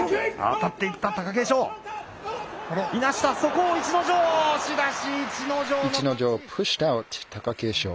当たっていった、貴景勝。